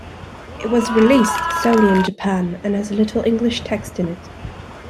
It was released solely in Japan and has little English text in it.